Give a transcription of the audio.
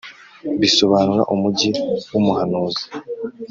bisobanura umugi w’umuhanuzi.